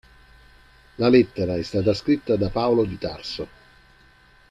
La lettera è stata scritta da Paolo di Tarso.